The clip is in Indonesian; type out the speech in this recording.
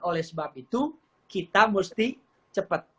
oleh sebab itu kita mesti cepat